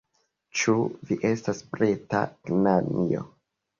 Ĉu vi estas preta, knanjo?